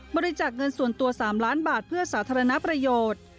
บริจาคเงินส่วนตัว๓ล้านบาทเพื่อสาธารณประโยชน์